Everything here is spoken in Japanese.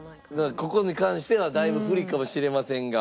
ここに関してはだいぶ不利かもしれませんが。